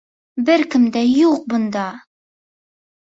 Бер кем дә юҡ бында!